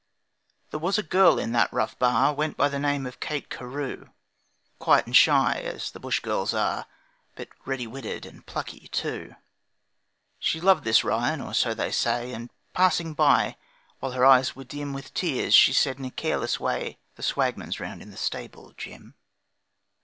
There was a girl in that rough bar Went by the name of Kate Carew, Quiet and shy as the bush girls are, But ready witted and plucky, too. She loved this Ryan, or so they say, And passing by, while her eyes were dim With tears, she said in a careless way, 'The Swagman's round in the stable, Jim.'